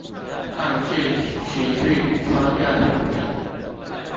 但是持續抽掉數量